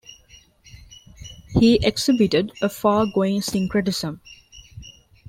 He exhibited a far-going syncretism.